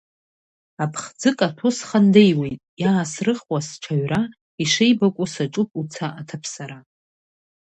Аԥхӡы каҭәо схандеиуеит, иаасрыхуа сҽаҩра, ишеибакәу саҿуп уца аҭаԥсара.